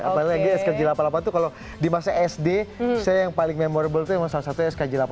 apalagi skj delapan puluh delapan itu kalau di masa sd saya yang paling memorable itu memang salah satu skj delapan puluh